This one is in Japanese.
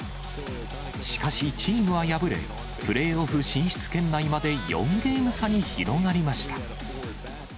しかし、チームは敗れ、プレーオフ進出圏内まで４ゲーム差に広がりました。